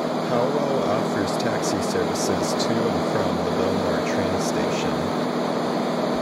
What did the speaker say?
Howell offers taxi services to and from the Belmar train station.